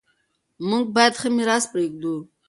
موږ باید ښه میراث پریږدو.